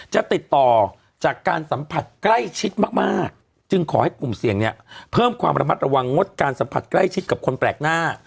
จะติดต่อจากการสัมผัสใกล้ชิดมากจึงขอให้กลุ่มเสี่ยงเนี่ยเพิ่มความระมัดระวังงดการสัมผัสใกล้ชิดกับคนแปลกหน้า